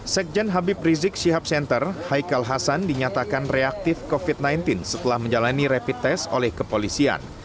sekjen habib rizik syihab center haikal hasan dinyatakan reaktif covid sembilan belas setelah menjalani rapid test oleh kepolisian